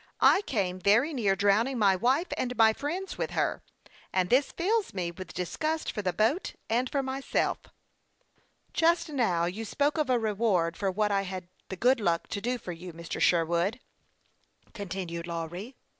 I came very near drowning my wife and my friends with her ; and this fills me with disgust for the boat and for myself." " Just now you spoke of a reward for what I had the good luck to do for you, Mr. Sherwood," con tinued Lawry, timidly.